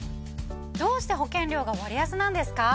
どうして保険料が割安なんですか？